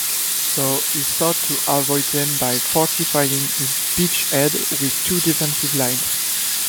So, he sought to avoid them by fortifying his beachhead with two defensive lines.